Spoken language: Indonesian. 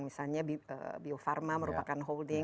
misalnya bio farma merupakan holding